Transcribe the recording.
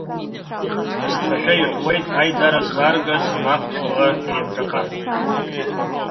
Насҭхашәа иҳәуеит аидара злааргаз амахҽ бӷа-еимҿаԥа.